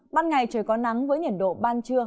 ban ngày trời có nắng với nhiệt độ ban trưa